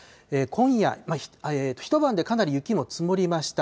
今夜、一晩でかなり雪も積もりました。